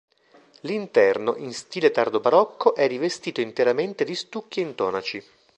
L'interno, in stile tardo-barocco, è rivestito interamente di stucchi e intonaci.